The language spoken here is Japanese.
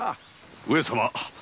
上様。